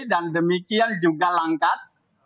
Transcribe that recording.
dan demikian juga langkat